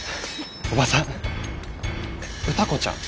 おばさん歌子ちゃん